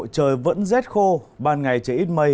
trời vẫn rét khô ban ngày trời ít mây